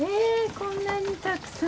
こんなにたくさん。